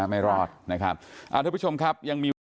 ไม่รอดนะครับไม่รอดนะครับ